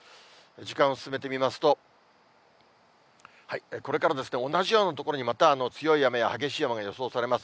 時間を進めてみますと、これから同じような所にまた強い雨や激しい雨が予想されます。